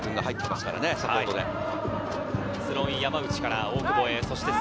スローイン、山内から大久保へ。